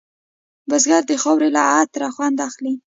بزګر د خاورې له عطره خوند اخلي